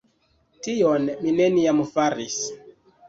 Tion mi neniam faris.